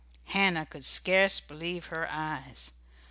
Hannah could scarce believe her eyes.